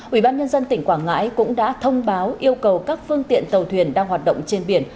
ubnd tỉnh quảng ngãi cũng đã thông báo yêu cầu các phương tiện tàu thuyền đang hoạt động trên biển